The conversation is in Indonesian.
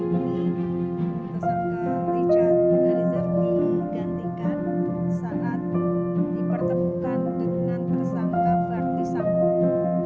tersebut richard berani zerdi gantikan saat dipertemukan dengan tersangka vertisal